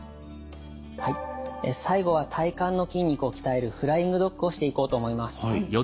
最後は体幹の筋肉を鍛えるフライングドッグをしていこうと思います。